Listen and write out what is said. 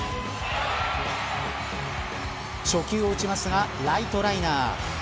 初球を打ちましたがライトライナー。